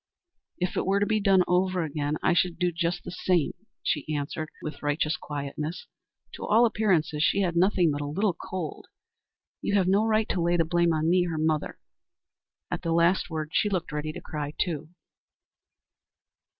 "If it were to be done over again, I should do just the same," she answered, with righteous quietness. "To all appearances she had nothing but a little cold. You have no right to lay the blame on me, her mother." At the last word she looked ready to cry, too.